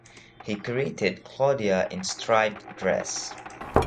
He created "Claudia in Striped Dress".